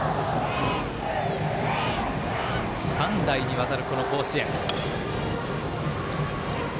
３代にわたる、この甲子園。